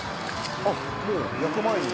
あっもう焼く前に。